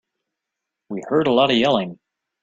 We heard a lot of yelling.